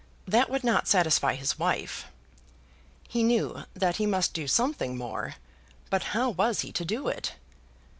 That would not satisfy his wife. He knew that he must do something more; but how was he to do it?